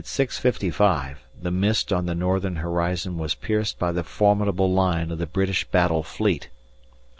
55 the mist on the northern horizon was pierced by the formidable line of the British Battle Fleet.